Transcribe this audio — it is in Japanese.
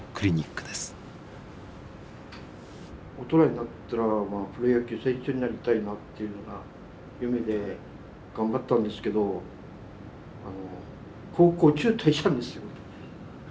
大人になったらプロ野球選手になりたいなっていうのが夢で頑張ったんですけど高校中退したんですよ。